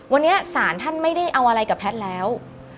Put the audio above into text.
วันนี้ศาลท่านไม่ได้เอาอะไรกับแพทย์แล้ว